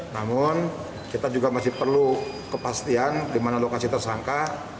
namun kita juga masih perlu kepastian di mana lokasi tersangka